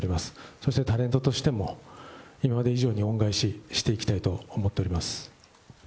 そしてタレントとしても、今まで以上に恩返ししていきたいと思っております。